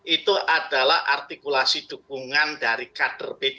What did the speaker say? itu adalah artikulasi dukungan dari kader b tiga di dki